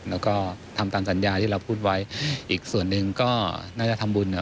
แล้วก็ทำตามสัญญาที่เราพูดไว้อีกส่วนหนึ่งก็น่าจะทำบุญนะครับ